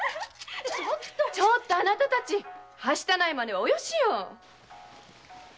ちょっとあなたたちはしたない真似はおよしよ。